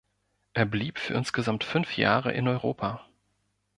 Er blieb für insgesamt fünf Jahre in Europa.